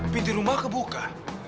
pinti rumah kebuka